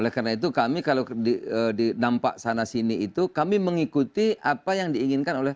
hari hari ini kan kita saksikan